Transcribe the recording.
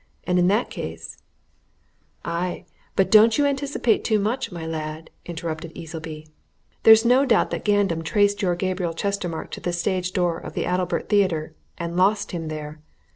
And in that case " "Aye, but don't you anticipate too much, my lad!" interrupted Easleby. "There's no doubt that Gandam traced your Gabriel Chestermarke to the stage door of the Adalbert Theatre and lost him there.